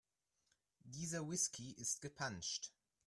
Dieser Whisky ist gepanscht.